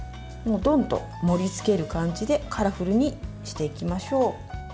ドンと盛りつける感じでカラフルにしていきましょう。